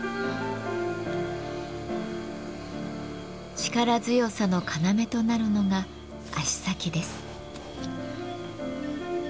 力強さの要となるのが足先です。